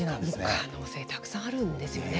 可能性たくさんあるんですよね。